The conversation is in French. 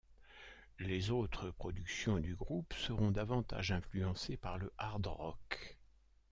Les autres productions du groupe seront davantage influencées par le hard rock.